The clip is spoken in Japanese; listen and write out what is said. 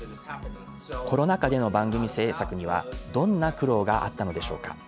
コロナ禍での番組制作にはどんな苦労があったのでしょうか。